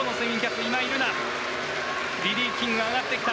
リリー・キングが上がってきた。